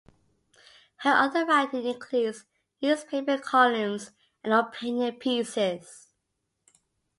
Her other writing includes newspaper columns and opinion pieces.